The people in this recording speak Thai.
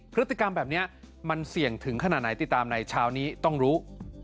พฤติกรรมแบบนี้มันเสี่ยงถึงขนาดไหนติดตามในเช้านี้ต้องรู้